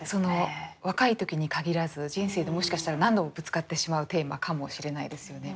若い時に限らず人生でもしかしたら何度もぶつかってしまうテーマかもしれないですよね。